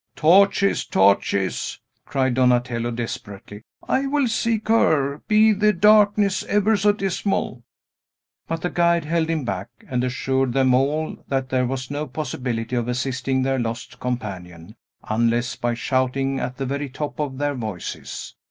"Torches! torches!" cried Donatello desperately. "I will seek her, be the darkness ever so dismal!" But the guide held him back, and assured them all that there was no possibility of assisting their lost companion, unless by shouting at the very top of their voices.